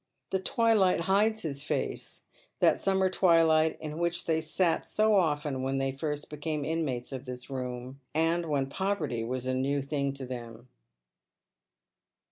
The twilight hides his face, that summer twilight in which they sat so often when they first became inmates of this room, and v/hen poverty was a new thing to them.